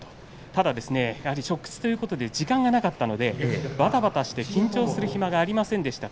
ただ初口ということで時間がなかったのでばたばたして緊張する暇がありませんでした。